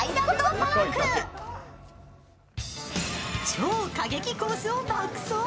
超過激コースを爆走。